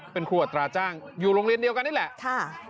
เป็นครูอัตราจ้างอยู่โรงเรียนเดียวกันนี่แหละค่ะ